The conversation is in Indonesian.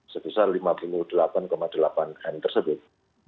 sebesar lima puluh delapan delapan m tersebut